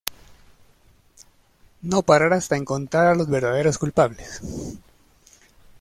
No parará hasta encontrar a los verdaderos culpables.